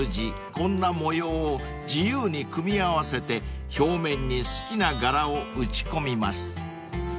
こんな模様を自由に組み合わせて表面に好きな柄を打ち込みます］